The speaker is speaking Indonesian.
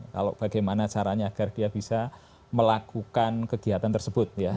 kalau bagaimana caranya agar dia bisa melakukan kegiatan tersebut ya